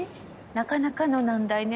なかなかの難題ね。